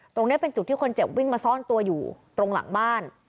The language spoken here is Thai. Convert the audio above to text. ตรงนี้เป็นจุดที่คนเจ็บวิ่งมาซ่อนตัวอยู่ตรงหลังบ้าน